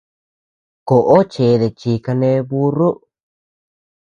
Koʼo chede chi kané búrru.